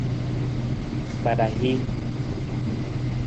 Kpada hii.